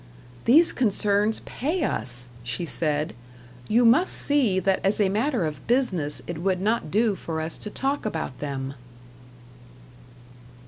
"These concerns pay us!" she said. "You must see that as a matter of business it would not do for us to talk about them."